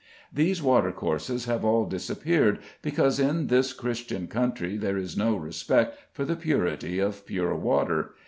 These watercourses have all disappeared, because in this Christian country there is no respect for the purity of pure water.